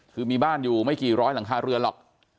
คือมีบ้านอยู่ไม่กี่ร้อยหลังคาเรือนหรอก